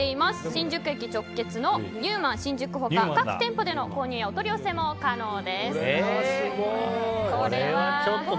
新宿駅直結のＮＥＷｏＭａｎ新宿他各店舗での購入やお取り寄せも可能です。